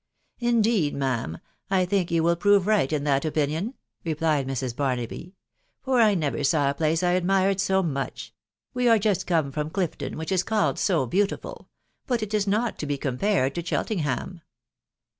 " Indeed, ma'am, I think you will prove right in that opinion/* replied Mrs. Barnaby, " for I never saw a place 1 admired so much. We are just come from Clifton, which is called so beautiful, .... but it is not to be compared to Chel tenham."